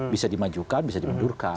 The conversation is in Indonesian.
bisa dimajukan bisa dimundurkan